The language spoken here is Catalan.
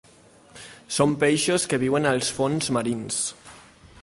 Són peixos que viuen als fons marins.